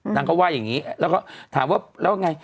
นางก็ว่าอย่างนี้แล้วก็ถามว่าแล้วไง